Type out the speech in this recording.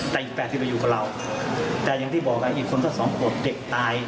แต่อีก๘๐ไปอยู่กับเราแต่อย่างที่บอกไงอีกคนสัก๒ขวบเด็กตาย